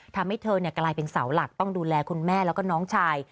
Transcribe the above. ทำให้เธอกลายเป็นเสาหลักต้องดูแลคุณแม่แล้วก็น้องชาย